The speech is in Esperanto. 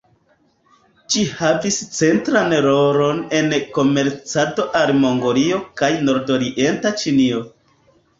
Ĝi havis centran rolon en komercado al Mongolio kaj Nordorienta Ĉinio.